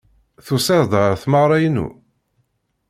Tusiḍ-d ɣer tmeɣra-inu?